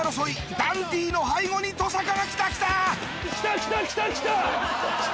ダンディの背後に登坂が来た来た！来た来た来た来た！来た！